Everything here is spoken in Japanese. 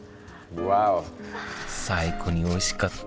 最高においしかった。